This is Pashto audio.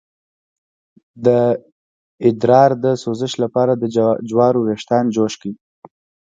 د ادرار د سوزش لپاره د جوارو ویښتان جوش کړئ